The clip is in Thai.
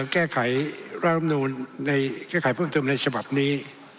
แก้ไขร่างรัฐมนูลในแก้ไขเพิ่มเติมในฉบับนี้